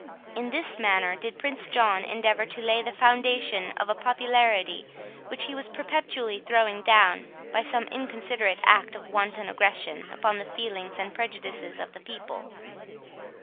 In this manner did Prince John endeavour to lay the foundation of a popularity, which he was perpetually throwing down by some inconsiderate act of wanton aggression upon the feelings and prejudices of the people.